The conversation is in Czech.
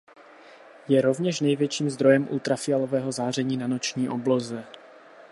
Je rovněž největším zdrojem ultrafialového záření na noční obloze.